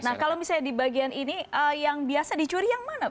nah kalau misalnya di bagian ini yang biasa dicuri yang mana